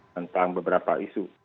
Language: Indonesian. tentang beberapa isu